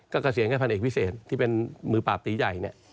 เกษียณให้พันเอกพิเศษที่เป็นมือปราบตีใหญ่เนี่ย